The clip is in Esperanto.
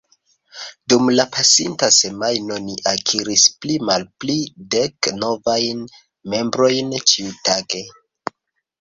Dum la pasinta semajno ni akiris pli malpli dek novajn membrojn ĉiutage.